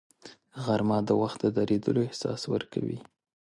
غرمه د وخت د درېدلو احساس ورکوي